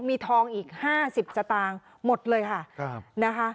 มีทองอีก๕๐สตางค์หมดเลยค่ะนะคะ